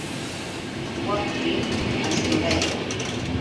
Wakpim asnurayan.